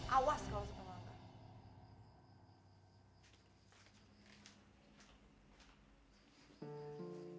awas kalau suka makan